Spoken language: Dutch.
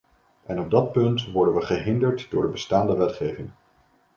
En op dat punt worden we gehinderd door de bestaande wetgeving.